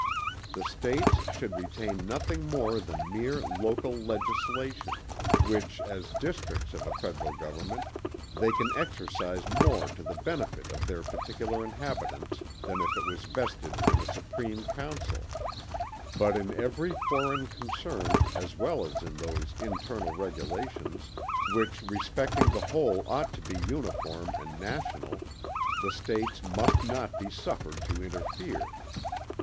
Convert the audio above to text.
The States should retain nothing more than that mere local legislation, which, as districts of a general government, they can exercise more to the benefit of their particular inhabitants, than if it was vested in a Supreme Council; but in every foreign concern as well as in those internal regulations, which respecting the whole ought to be uniform and national, the States must not be suffered to interfere.